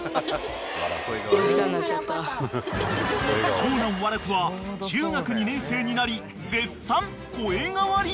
［長男和楽は中学２年生になり絶賛］